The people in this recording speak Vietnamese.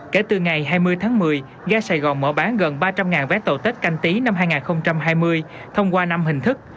kể từ ngày hai mươi tháng một mươi ga sài gòn mở bán gần ba trăm linh vé tàu tết canh tí năm hai nghìn hai mươi thông qua năm hình thức